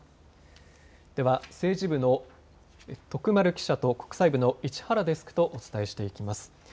では政治部の徳丸記者と国際部の市原デスクとお伝えしていきます。